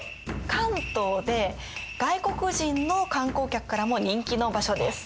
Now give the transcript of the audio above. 関東で外国人の観光客からも人気の場所です。